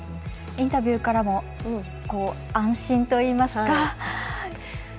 インタビューからも安心といいますか。